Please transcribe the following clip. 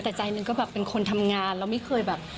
แต่ใจหนึ่งก็แบบเป็นคนทำงานเราไม่เคยแบบ